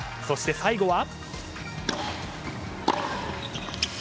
そして最後は。